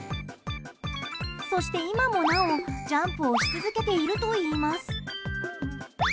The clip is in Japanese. そして今もなおジャンプをし続けているといいます。